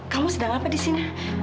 kamu sedang apa di sini